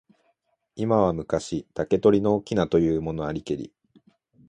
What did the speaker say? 今は昔、竹取の翁というものありけり。